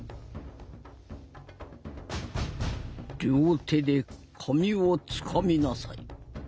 両手で髪をつかみなさい。